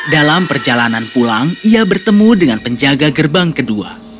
dalam perjalanan pulang ia bertemu dengan penjaga gerbang kedua